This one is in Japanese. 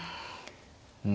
うん。